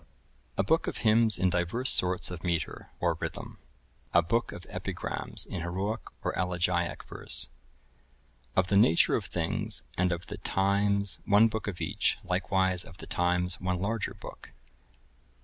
A Book of Hymns in divers sorts of metre, or rhythm. A Book of Epigrams in heroic or elegiac verse. Of the Nature of Things, and of the Times, one book of each; likewise, of the Times, one larger book.